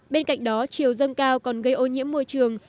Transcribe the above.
bên cạnh đó triều dân cao còn gây ô nhiễm môi trường